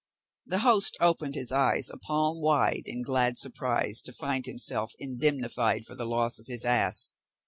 The host opened his eyes a palm wide in glad surprise to find himself indemnified for the loss of his ass.